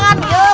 sebentar ya pak